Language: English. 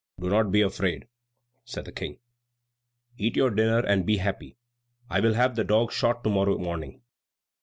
"Do not be afraid," said the King. "Eat your dinner and be happy. I will have the dog shot to morrow morning."